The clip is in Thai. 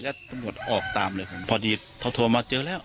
แล้วถังบทออกตามเลยพอดีเท่าโทรมาเจอแล้ว